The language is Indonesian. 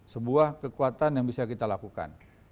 sebuah kekuatan yang bisa kita lakukan